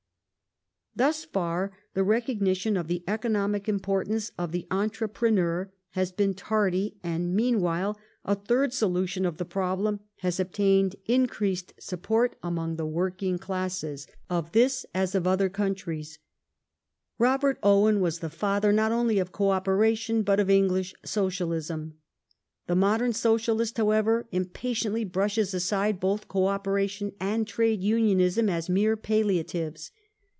Thus far the recognition of the economic importance of theSocialiam entrepreneur has been tardy, and, meanwhile, a third solution of the problem has obtained increased support among the working 8 INTRODUCTORY [1815 classes of this, as of other countries. Robert Owen was the father not only of Co operation, but of English socialism. The modern socialist, however, impatiently brushes aside both Co operation and Trade Unionism as mere palliatives.